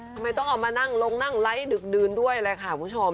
ทำไมต้องเอามานั่งลงนั่งไลค์ดึกดื่นด้วยเลยค่ะคุณผู้ชม